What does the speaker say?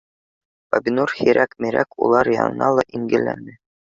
Бибинур һирәк мирәк улар янына ла ингеләне